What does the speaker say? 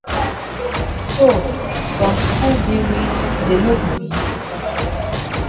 So some skul dey wey dey no di beat?